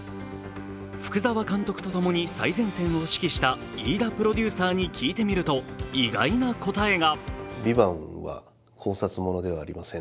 福澤監督とともに最前線を指揮した飯田プロデューサーに聞いてみると、意外な答えが。